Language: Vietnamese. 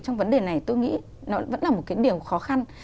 trong vấn đề này tôi nghĩ nó vẫn là một cái điều khó khăn